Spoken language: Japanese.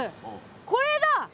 これだ！